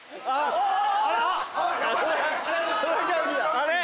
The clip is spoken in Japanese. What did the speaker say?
あれ？